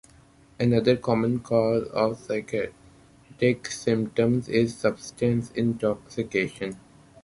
Another common cause of psychotic symptoms is substance intoxication.